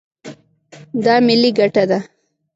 دا ملي ګټه ده.